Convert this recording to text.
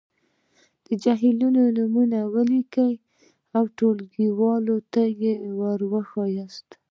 د جهیلونو نومونويې ولیکئ او ټولګیوالو ته یې وښایاست.